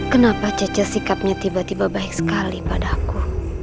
kenapa jeje sikapnya tiba tiba baik sekali padaku